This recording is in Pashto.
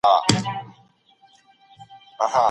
سياسي ځواک د امنيتي ځواکونو له لارې تطبيقيږي.